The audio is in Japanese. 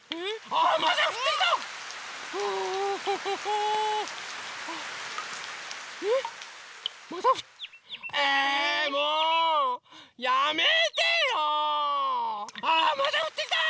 あらまたふってきた！